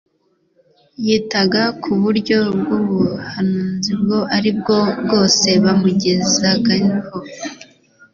Yitaga ku buryo bw'umubabaro ubwo aribwo bwose bamugezagaho